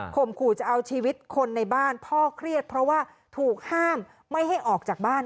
ขู่จะเอาชีวิตคนในบ้านพ่อเครียดเพราะว่าถูกห้ามไม่ให้ออกจากบ้าน